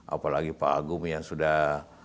apalagi pak agung yang sudah